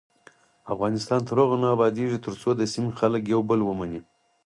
افغانستان تر هغو نه ابادیږي، ترڅو د سیمې خلک یو بل ومني.